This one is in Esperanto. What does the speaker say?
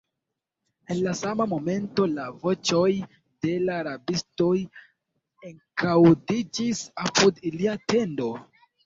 En la sama momento la voĉoj de la rabistoj ekaŭdiĝis apud ilia tendo.